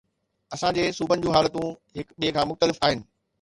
اسان جي صوبن جون حالتون هڪ ٻئي کان مختلف آهن.